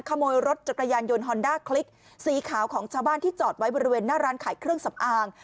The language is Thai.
ขโมยรถจักรยานยนต์ฮอนด้าคลิกสีขาวของชาวบ้านที่จอดไว้บริเวณหน้าร้านขายเครื่องสำอาง